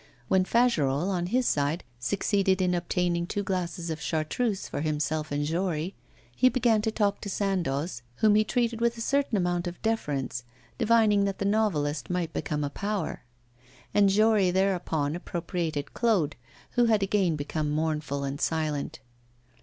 When Fagerolles, on his aide, succeeded in obtaining two glasses of chartreuse for himself and Jory, he began to talk to Sandoz, whom he treated with a certain amount of deference, divining that the novelist might become a power. And Jory thereupon appropriated Claude, who had again become mournful and silent.